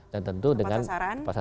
dan tentu dengan pasasaran